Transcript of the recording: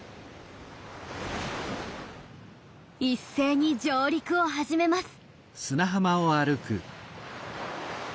一斉に上陸を始めます。